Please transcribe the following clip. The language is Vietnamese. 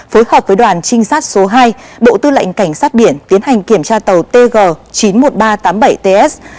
phối hợp với đoàn trinh sát số hai bộ tư lệnh cảnh sát biển tiến hành kiểm tra tàu tg chín mươi một nghìn ba trăm tám mươi bảy ts